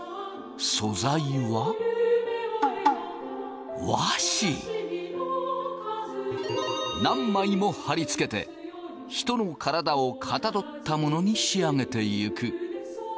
素材は何枚も貼り付けて人の体をかたどったものに仕上げていく。